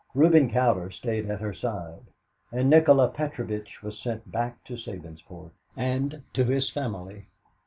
Reuben Cowder stayed at her side, and Nikola Petrovitch was sent back to Sabinsport and to his family.